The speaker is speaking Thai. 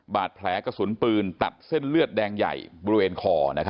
บาดแผลกระสุนปืนตัดเส้นเลือดแดงใหญ่บริเวณคอ